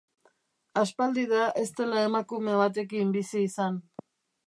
Aspaldi da ez dela emakume batekin bizi izan.